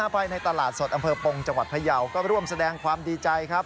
ภายในตลาดสดอำเภอปงจังหวัดพยาวก็ร่วมแสดงความดีใจครับ